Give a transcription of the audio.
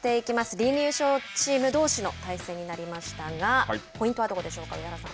リーグ優勝チームどうしの対戦になりましたがポイントはどこでしょうか上原さん。